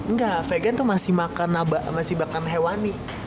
ngga vegan tuh masih makan naba masih makan hewani